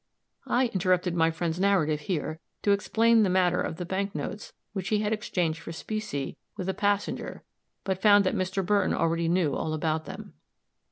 (I interrupted my friend's narrative here to explain the matter of the bank notes which he had exchanged for specie with a passenger, but found that Mr. Burton already knew all about them.)